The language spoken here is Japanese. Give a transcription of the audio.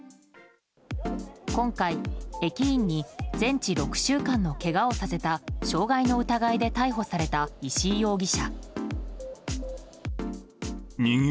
今回、駅員に全治６週間のけがをさせた傷害の疑いで逮捕された石井容疑者。